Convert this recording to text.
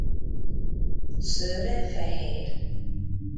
Szőre fehér.